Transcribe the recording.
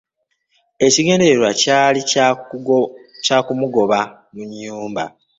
Ekigendererwa kyali kya kumugoba mu nnyumba.